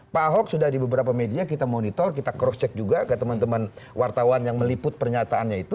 pak ahok sudah di beberapa media kita monitor kita cross check juga ke teman teman wartawan yang meliput pernyataannya itu